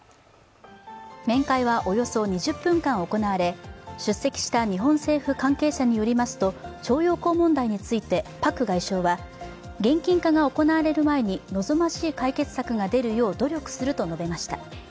面会はおよそ２０分間行われ、出席した日本政府関係者によりますと、徴用工問題について、パク外相は現金化が行われる前に望ましい解決策が出るよう努力すると述べました。